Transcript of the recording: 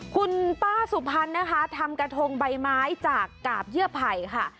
คุณป้าสุพรรณนะคะทำกระทงใบไม้จากกาบเยื่อไผ่ค่ะ